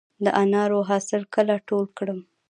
د انارو حاصل کله ټول کړم؟